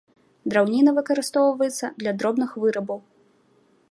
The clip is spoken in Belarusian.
Драўніна выкарыстоўваецца для дробных вырабаў.